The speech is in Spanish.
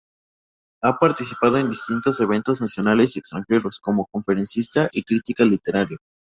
Ha participado en distintos eventos nacionales y extranjeros como conferencista y crítica literaria.